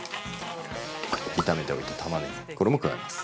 炒めておいたタマネギ、これも加えます。